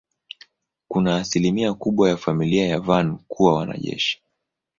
Kuna asilimia kubwa ya familia ya Van kuwa wanajeshi.